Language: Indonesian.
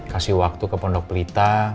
kasih waktu ke pondok pelita